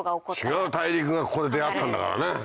違う大陸がここで出合ったんだからね